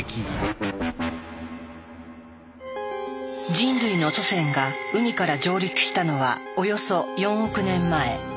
人類の祖先が海から上陸したのはおよそ４億年前。